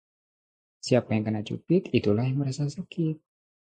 Siapa yang kena cubit, itulah yang merasa sakit